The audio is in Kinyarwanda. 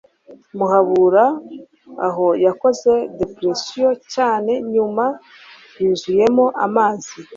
muhabura, aho yakoze depression cyane, nyuma yuzuyemo amazi